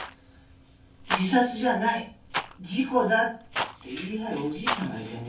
自殺じゃない事故だって言い張るおじいさんがいてね。